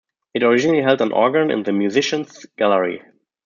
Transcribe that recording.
It originally held an organ in the musicians gallery.